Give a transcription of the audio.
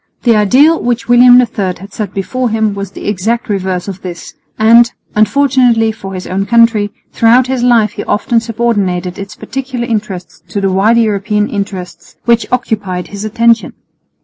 The ideal which William III had set before him was the exact reverse of this; and, unfortunately for his own country, throughout his life he often subordinated its particular interests to the wider European interests which occupied his attention.